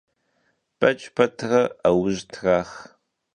Bec petre 'euj trax.